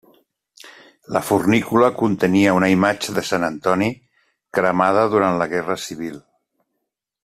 La fornícula contenia una imatge de Sant Antoni, cremada durant la guerra civil.